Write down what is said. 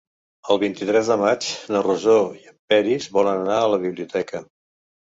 El vint-i-tres de maig na Rosó i en Peris volen anar a la biblioteca.